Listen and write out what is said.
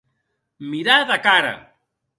Mirar de cara.